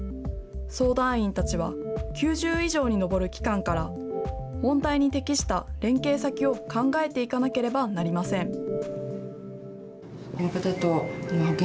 相談員たちは、９０以上に上る機関から、問題に適した連携先を考えていかなければなりません。